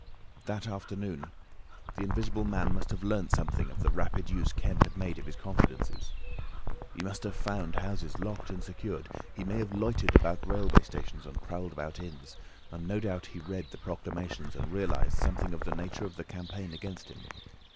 That afternoon the Invisible Man must have learnt something of the rapid use Kemp had made of his confidences. He must have found houses locked and secured; he may have loitered about railway stations and prowled about inns, and no doubt he read the proclamations and realised something of the nature of the campaign against him.